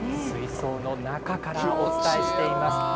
水槽の中からお伝えしています。